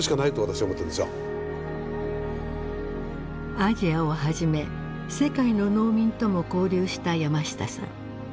アジアをはじめ世界の農民とも交流した山下さん。